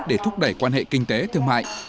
để thúc đẩy quan hệ kinh tế thương mại